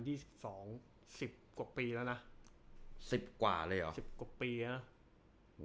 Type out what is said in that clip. สิบสองสิบกว่าปีแล้วนะสิบกว่าเลยเหรอสิบกว่าปีฮะ